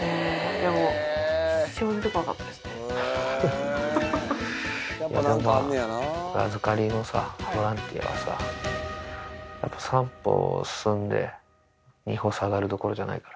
でもまあ、預かりのさ、ボランティアはさ、やっぱり３歩進んで２歩下がるどころじゃないから。